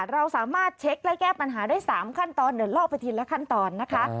เราสามารถเช็คและแก้ปัญหาได้๓ขั้นตอนเดี๋ยวลอกไปทีละขั้นตอนนะคะ